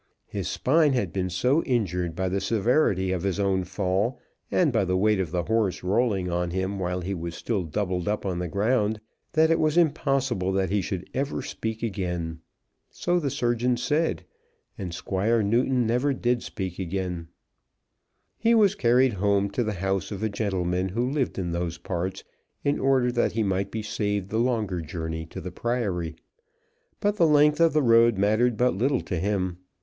His spine had been so injured by the severity of his own fall, and by the weight of the horse rolling on him while he was still doubled up on the ground, that it was impossible that he should ever speak again. So the surgeon said, and Squire Newton never did speak again. [Illustration: In a moment the three men were on their knees, and it was clear that Mr. Newton was insensible.] He was carried home to the house of a gentleman who lived in those parts, in order that he might be saved the longer journey to the Priory; but the length of the road mattered but little to him.